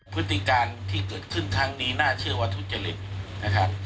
พฤติการที่เกิดขึ้นครั้งนี้น่าเชื่อว่าทุจริตนะครับ